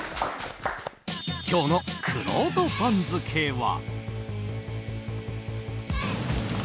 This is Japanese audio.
今日のくろうと番付は。